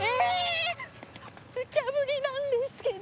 むちゃ振りなんですけど。